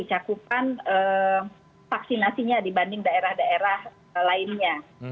cakupan vaksinasinya dibanding daerah daerah lainnya